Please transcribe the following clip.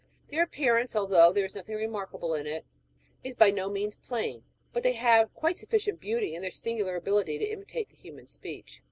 Their appearance, although there is notliing remarkable in it, is by no means plain ; but they have quite sufficient beauty in their singular ability to imitate the human speech.